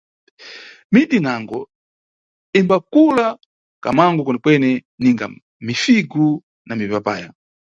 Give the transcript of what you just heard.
Miti inango, imbakula kamangu kwenekwene, ninga mifigu na mipapaya.